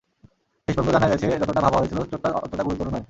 তবে শেষ পর্যন্ত জানা গেছে, যতটা ভাবা হয়েছিল, চোট অতটা গুরুতর নয়।